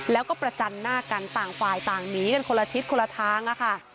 แล้วก็ประจันหน้ากันต่างฝ่ายต่างหนีกันคนละทิศคนละทางอะค่ะ